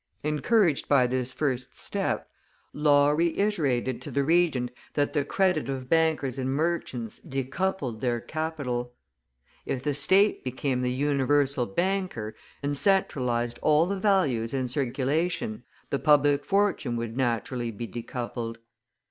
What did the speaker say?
Encouraged by this first step, Law reiterated to the Regent that the credit of bankers and merchants decupled their capital; if the state became the universal banker, and centralized all the values in circulation, the public fortune would naturally be decupled.